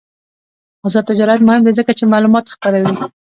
آزاد تجارت مهم دی ځکه چې معلومات خپروي.